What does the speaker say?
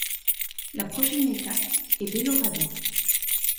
La prochaine étape est Belorado.